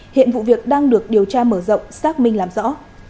hiện vụ việc đang được điều tra mở rộng xác minh làm rõ